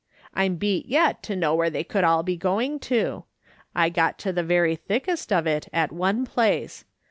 I'm beat yet to know where they could all be going to. I got to the very thickest of it at one place.